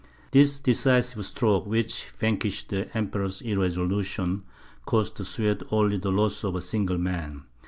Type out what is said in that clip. This decisive stroke, which vanquished the Emperor's irresolution, cost the Swedes only the loss of a single man.